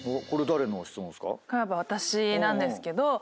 これ私なんですけど。